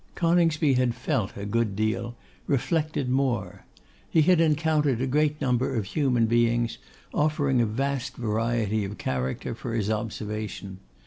Coningsby had felt a good deal, reflected more. He had encountered a great number of human beings, offering a vast variety of character for his observation.